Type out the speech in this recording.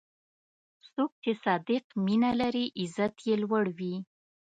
څوک چې صادق مینه لري، عزت یې لوړ وي.